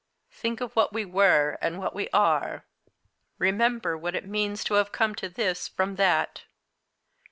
Think of what we were, and what we are. Remember what it means to have come to this from that.